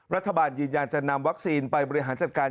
รัฐบาลยืนยันจะนำวัคซีนไปบริหารจัดการ